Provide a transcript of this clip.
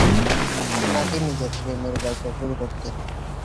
নাকি নিজের প্রেমের গল্প শুরু করতে?